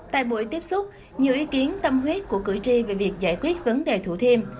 tại buổi tiếp xúc nhiều ý kiến tâm huyết của cử tri về việc giải quyết vấn đề thủ thiêm